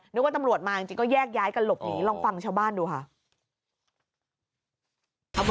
ว่าตำรวจมาจริงก็แยกย้ายกันหลบหนีลองฟังชาวบ้านดูค่ะ